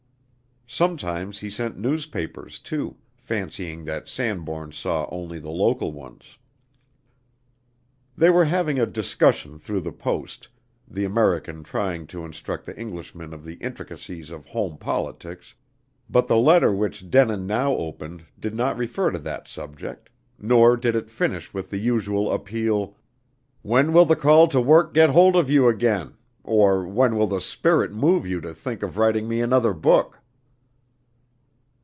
Sometimes he sent newspapers, too, fancying that Sanbourne saw only the local ones. They were having a discussion through the post, the American trying to instruct the Englishman in the intricacies of home politics; but the letter which Denin now opened did not refer to that subject, nor did it finish with the usual appeal: "When will the call to work get hold of you again, or when will the spirit move you to think of writing me another book?"